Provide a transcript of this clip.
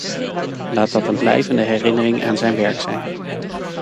Laat dat een blijvende herinnering aan zijn werk zijn.